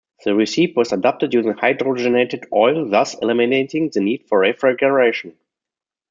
The recipe was adapted, using hydrogenated oil, thus eliminating the need for refrigeration.